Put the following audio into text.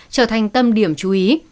trở thành tâm điểm chú ý